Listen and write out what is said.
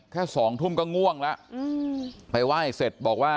สองทุ่มก็ง่วงแล้วไปไหว้เสร็จบอกว่า